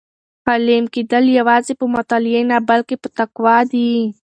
عالم کېدل یوازې په مطالعې نه بلکې په تقوا دي.